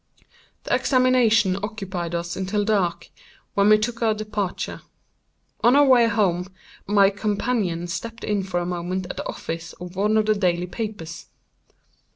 The examination occupied us until dark, when we took our departure. On our way home my companion stepped in for a moment at the office of one of the daily papers.